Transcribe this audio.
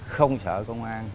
không sợ công an